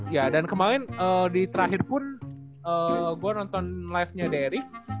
ya dan kemarin di terakhir pun gue nonton livenya derek